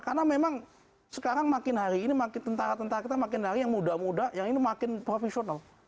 karena memang sekarang makin hari ini tentara tentara kita makin hari yang muda muda yang ini makin profesional